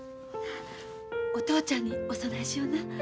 お父ちゃんにお供えしような。